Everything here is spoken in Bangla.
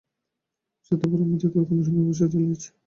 স্বার্থপরের মতো এই ঘরখানা সুন্দরভাবে সাজাইয়া লইয়াছে।